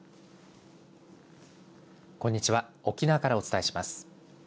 こんにちは沖縄からお伝えします。